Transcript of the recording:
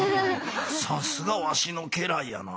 さすがわしの家来やな。